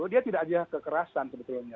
dia tidak aja kekerasan sebetulnya